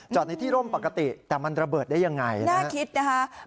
ในที่ร่มปกติแต่มันระเบิดได้ยังไงน่าคิดนะคะ